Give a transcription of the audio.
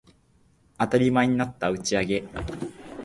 当たり前になった打ち上げ